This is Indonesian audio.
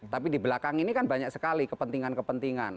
tapi di belakang ini kan banyak sekali kepentingan kepentingan